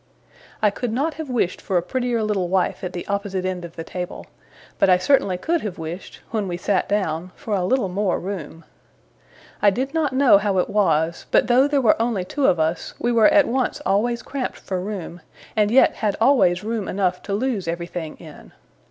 I could not have wished for a prettier little wife at the opposite end of the table, but I certainly could have wished, when we sat down, for a little more room. I did not know how it was, but though there were only two of us, we were at once always cramped for room, and yet had always room enough to lose everything in.